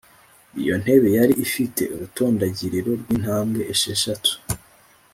Iyo ntebe yari ifite urutondagiriro rw’intambwe esheshatu